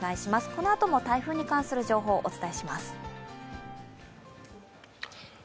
このあとも台風に関する情報をお伝えします。